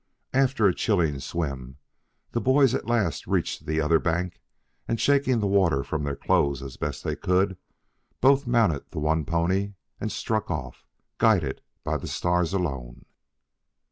After a chilling swim, the boys at last reached the other bank, and, shaking the water from their clothes as best they could, both mounted the one pony and struck off, guided by the stars alone.